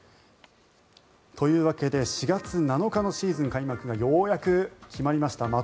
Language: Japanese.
というわけで４月７日のシーズン開幕がようやく決まりました。